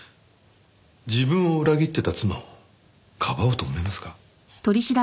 自分を裏切ってた妻をかばおうと思いますか？